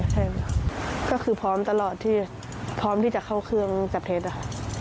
ใช่ครับก็คือพร้อมตลอดที่จะเข้าเครื่องจับเทศครับ